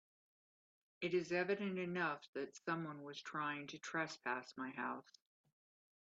It is evident enough that someone was trying to trespass my house.